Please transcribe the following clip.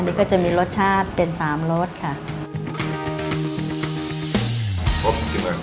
นี่ก็จะมีรสชาติเป็นสามรสค่ะ